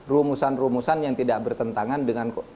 rumusan rumusan yang tidak bertentangan dengan